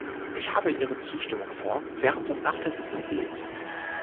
Ich habe ihre Zustimmung vor, während und nach der Sitzung erlebt.